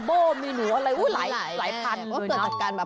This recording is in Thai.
หลายหนูเพราะมีหนูดัมเบ้อ